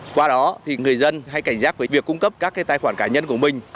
qua đó thì người dân hãy cảnh giác với việc cung cấp các tài khoản cá nhân của mình